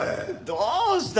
「どうした？」